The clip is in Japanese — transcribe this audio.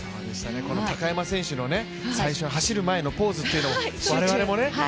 この高山選手の最初、走る前のポーズというのも我々もね